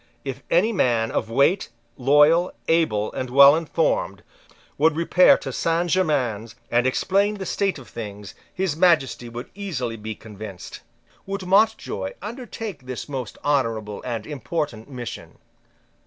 If any man of weight, loyal, able, and well informed, would repair to Saint Germains and explain the state of things, his Majesty would easily be convinced. Would Mountjoy undertake this most honourable and important mission?